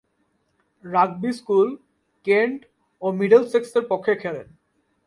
Rugby School, Kent ও মিডলসেক্সের পক্ষে খেলেন।